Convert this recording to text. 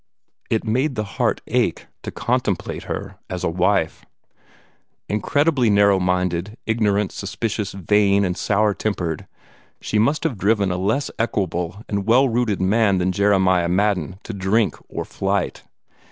It made the heart ache to contemplate her as a wife. Incredibly narrow minded, ignorant, suspicious, vain, and sour tempered, she must have driven a less equable and well rooted man than Jeremiah Madden to drink or flight.